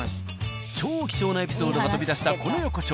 超貴重なエピソードが飛び出したこの横丁。